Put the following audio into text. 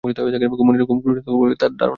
মুনিরের ঘুম খুব প্রশান্ত নয় বলে তাঁর ধারণা হল।